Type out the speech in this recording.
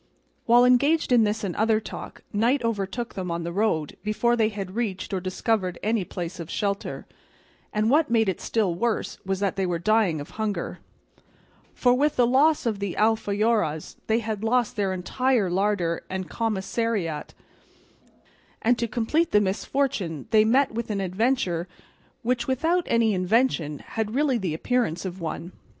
While engaged in this and other talk, night overtook them on the road before they had reached or discovered any place of shelter; and what made it still worse was that they were dying of hunger, for with the loss of the alforjas they had lost their entire larder and commissariat; and to complete the misfortune they met with an adventure which without any invention had really the appearance of one.